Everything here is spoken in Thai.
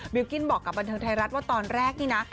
กิ้นบอกกับบันเทิงไทยรัฐว่าตอนแรกนี่นะ